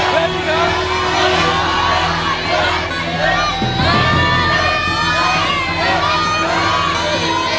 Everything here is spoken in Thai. เพลงอีกแล้ว